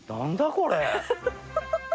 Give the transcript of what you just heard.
これ。